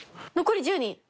残り１０人。